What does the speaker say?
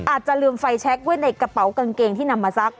อาจจะลืมไฟแชคไว้ในกระเป๋ากางเกงที่นำมาซัก